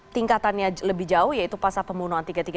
tingkatannya lebih jauh yaitu pasal pembunuhan tiga ratus tiga puluh